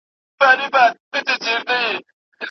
د فراغت سند سمدلاسه نه تطبیقیږي.